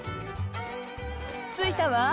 着いたわ。